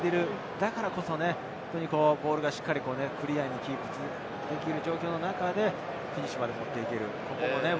だからこそ本当にボールがしっかりクリアにキープできる状況の中でフィニッシュまで持っていける。